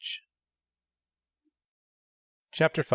CHAPTER V.